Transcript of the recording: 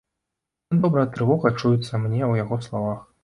Нядобрая трывога чуецца мне ў яго словах.